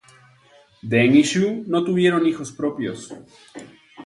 Deng y Zhou no tuvieron hijos propios.